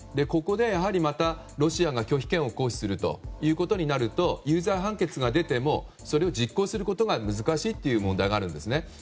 ここでまた、ロシアが拒否権を行使することになれば有罪判決が出ても、それを実行することが難しいという問題があるんですね。